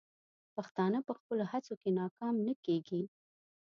پښتانه په خپلو هڅو کې ناکام نه کیږي.